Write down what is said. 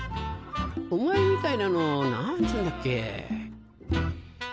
お前みたいなのを何つうんだっけ？